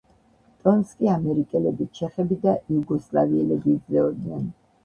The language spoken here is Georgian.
ტონს კი ამერიკელები, ჩეხები და იუგოსლავიელები იძლეოდნენ.